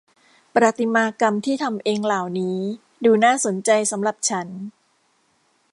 ประติมากรรมที่ทำเองเหล่านี้ดูน่าสนใจสำหรับฉัน